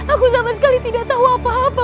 aku sama sekali tidak tahu apa apa